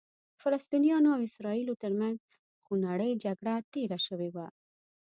د فلسطینیانو او اسرائیلو ترمنځ خونړۍ جګړه تېره شوې وه.